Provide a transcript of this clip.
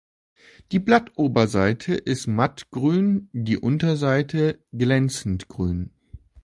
Die Blattoberseite ist mattgrün, die Unterseite glänzend grün.